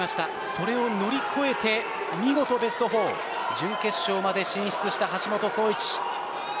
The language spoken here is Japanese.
それを乗り越えて、見事ベスト４準決勝まで進出した橋本壮市。